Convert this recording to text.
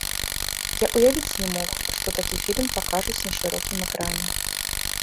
Я ўявіць не мог, што такі фільм пакажуць на шырокім экране.